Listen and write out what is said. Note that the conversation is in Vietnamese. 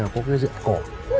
có dựa cổ